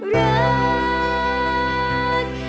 รัก